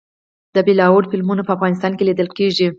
د بالیووډ فلمونه په افغانستان کې لیدل کیږي.